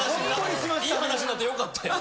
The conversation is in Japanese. いい話になってよかったよ。